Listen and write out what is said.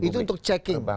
itu untuk checking